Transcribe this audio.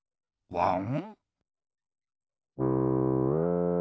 ワン！